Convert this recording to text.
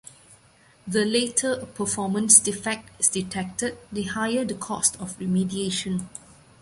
The later a performance defect is detected, the higher the cost of remediation.